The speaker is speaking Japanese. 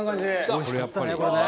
おいしかったねこれね。